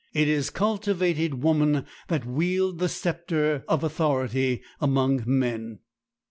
It is cultivated women that wield the scepter of authority among men.